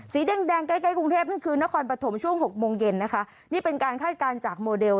สีแดงใกล้กรุงเทพนึงคือนครปฐมช่วง๖โมงเย็นนี่เป็นการค่ายการจากโมเดล